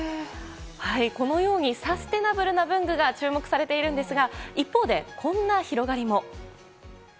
このようにサステナブルな文具が注目されているんですが一方で、こんな広がりも。